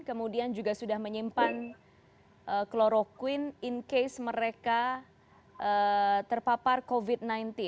kemudian juga sudah menyimpan kloroquine in case mereka terpapar covid sembilan belas